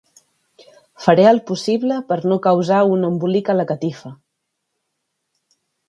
Faré el possible per no causar un embolic a la catifa.